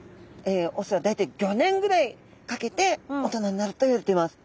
雄は大体５年ぐらいかけて大人になるといわれています。